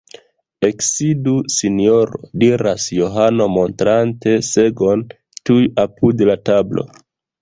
Eksidu sinjoro, diras Johano, montrante segon tuj apud la tablo.